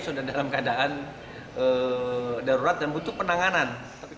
tpa itu sudah dalam keadaan darurat dan butuh penanganan